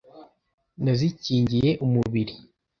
Nazikingiye umubiri